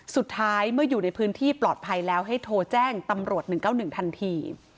สุดท้ายเมื่ออยู่ในพื้นที่ปลอดภัยแล้วให้โทรแจ้งตำรวจ๑๙๑ทันที